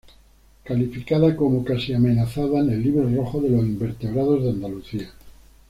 Calificada como casi amenazada en el Libro Rojo de los Invertebrados de Andalucía.